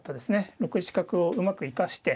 ６一角をうまく生かして。